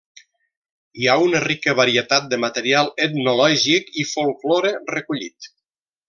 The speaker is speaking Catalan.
Hi ha una rica varietat de material etnològic i folklore recollit.